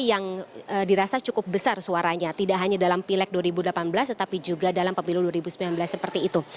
yang dirasa cukup besar suaranya tidak hanya dalam pileg dua ribu delapan belas tetapi juga dalam pemilu dua ribu sembilan belas seperti itu